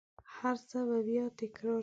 هرڅه به بیا تکرارشي